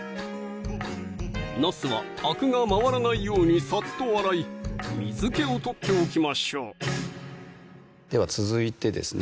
なすはアクが回らないようにさっと洗い水気を取っておきましょうでは続いてですね